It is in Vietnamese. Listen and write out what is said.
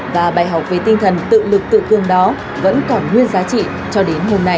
và bài học về tinh thần tự lực tự cương đó vẫn còn nguyên giá trị cho đến hôm nay